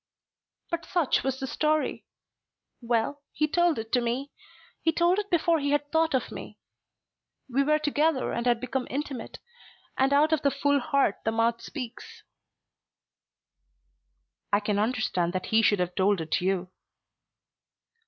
"But such was the story. Well; he told it me. He told it before he had thought of me. We were together and had become intimate; and out of the full heart the mouth speaks." "I can understand that he should have told it you."